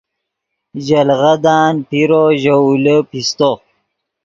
ژے لیغدان پیرو ژے اولے پیستو